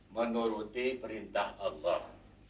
menuruti perintah allah